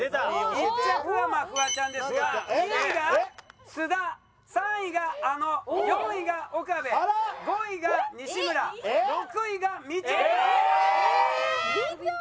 １着はまあフワちゃんですが２位が須田３位があの４位が岡部５位が西村６位がみちょぱ。